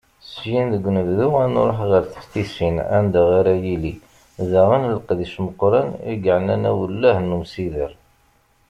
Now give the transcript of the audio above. Syin deg unebdu, ad nruḥ ɣer teftisin anda ara yili, daɣen, leqdic meqqren i yeɛnan awellah n umsider.